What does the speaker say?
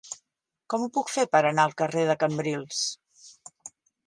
Com ho puc fer per anar al carrer de Cambrils?